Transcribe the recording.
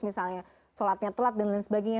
misalnya sholatnya telat dan lain sebagainya